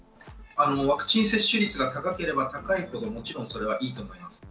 ワクチン接種率が高ければ高いほど、もちろんそれはいいと思います。